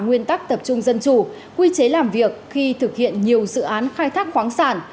nguyên tắc tập trung dân chủ quy chế làm việc khi thực hiện nhiều dự án khai thác khoáng sản